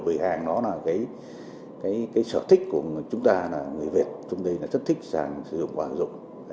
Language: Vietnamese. vì hàng đó là cái sở thích của chúng ta là người việt chúng tôi rất thích sản sử dụng và hợp dụng